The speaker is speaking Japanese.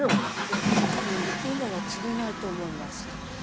でも多分今は釣れないと思います。